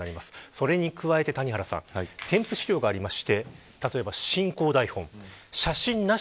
それに加えて添付資料があります。